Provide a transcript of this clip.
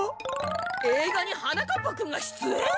えいがにはなかっぱくんがしゅつえん！？